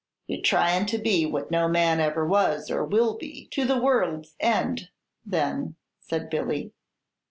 "You 're tryin' to be what no man ever was, or will be, to the world's end, then," said Billy.